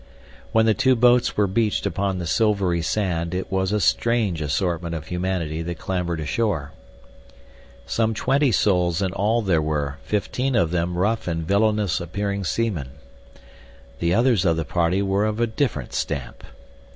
When the two boats were beached upon the silvery sand it was a strange assortment of humanity that clambered ashore. Some twenty souls in all there were, fifteen of them rough and villainous appearing seamen. The others of the party were of different stamp.